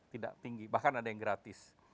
tidak tinggi bahkan ada yang gratis